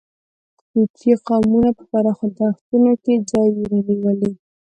کوچي قومونو په پراخو دښتونو کې ځایونه نیولي.